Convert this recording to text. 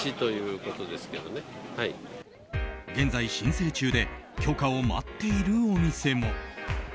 現在申請中で許可を待っているお店も。